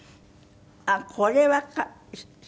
あっこれは柴犬？